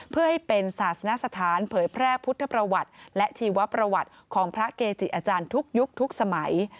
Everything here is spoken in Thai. เพื่อให้เป็นศาสนสถานเผยแพร่พุทธประวัติและชีวประวัติของพระเกจิอาจารย์ทุกยุคทุกสมัย